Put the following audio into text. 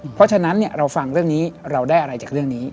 เพราะฉะนั้นเราฟังเรื่องนี้เราได้อะไรจากเรื่องนี้